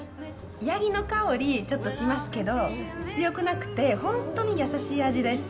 ヤギの香りがちょっとしますけど、強くなくて、ほんとに優しい味です。